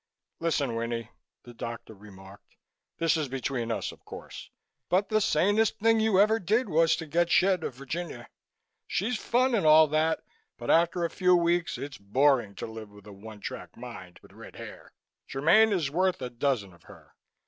"Listen, Winnie," the doctor remarked. "This is between us, of course, but the sanest thing you ever did was to get shed of Virginia. She's fun and all that, but after a few weeks it's boring to live with a one track mind with red hair. Germaine is worth a dozen of her.